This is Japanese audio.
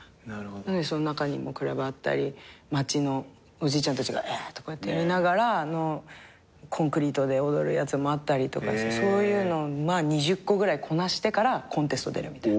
その中にクラブあったり街のおじいちゃんたちがええってやりながらコンクリートで踊るやつもあったりとかそういうの２０個ぐらいこなしてからコンテスト出るみたいな。